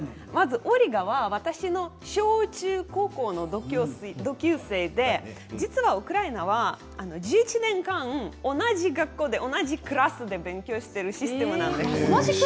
オリガは私の小中高校の同級生で実はウクライナは１１年間同じ学校で同じクラスで勉強しているシステムなんです。